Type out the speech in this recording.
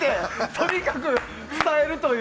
とにかく伝えるという。